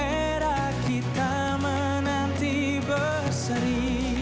era kita menanti berseri